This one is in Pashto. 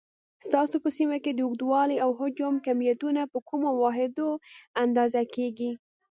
ستاسو په سیمه کې د اوږدوالي، او حجم کمیتونه په کومو واحداتو اندازه کېږي؟